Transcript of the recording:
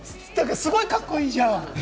すごいカッコいいじゃん！